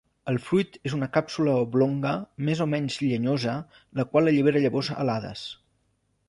El fruit és una càpsula oblonga més o menys llenyosa la qual allibera llavors alades.